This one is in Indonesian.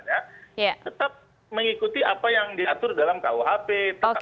ya meta mengikuti apa yang diyawat dalam esuerda unggaton universitas padang melissa oke